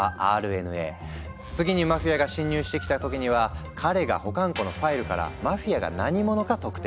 次にマフィアが侵入してきた時には彼が保管庫のファイルからマフィアが何者か特定。